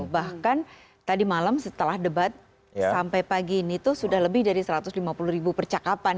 bahkan tadi malam setelah debat sampai pagi ini tuh sudah lebih dari satu ratus lima puluh ribu percakapan